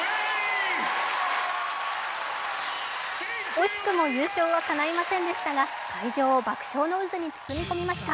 惜しくも優勝はかないませんでしたが会場を爆笑の渦に包み込みました。